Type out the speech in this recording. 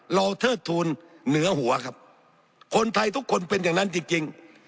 เทิดทูลเหนือหัวครับคนไทยทุกคนเป็นอย่างนั้นจริง